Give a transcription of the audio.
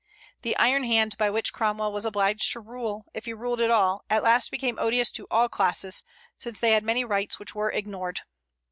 The iron hand by which Cromwell was obliged to rule, if he ruled at all, at last became odious to all classes, since they had many rights which were ignored.